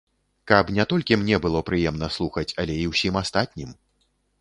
Каб не толькі мне было прыемна слухаць, але і ўсім астатнім.